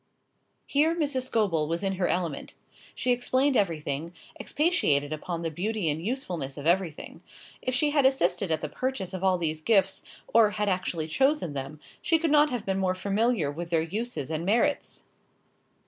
Here Mrs. Scobel was in her element. She explained everything, expatiated upon the beauty and usefulness of everything. If she had assisted at the purchase of all these gifts, or had actually chosen them, she could not have been more familiar with their uses and merits.